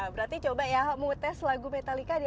berarti coba ya mau tes lagu metallica di alphandia ya